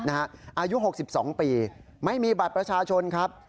อายุ๖๒ปีไม่มีบัตรประชาชนครับ